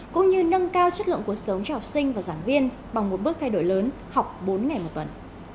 cũng như nâng cao chất lượng cuộc sống cho học sinh và giảng viên bằng một bước thay đổi lớn học bốn ngày một tuần